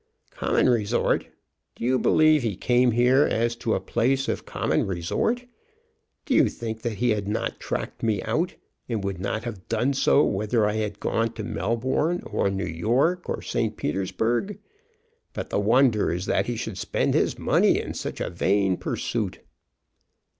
"Common resort! Do you believe he came here as to a place of common resort? Do you think that he had not tracked me out, and would not have done so, whether I had gone to Melbourne, or New York, or St. Petersburg? But the wonder is that he should spend his money in such a vain pursuit."